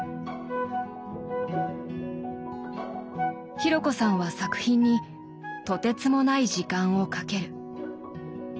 紘子さんは作品にとてつもない時間をかける。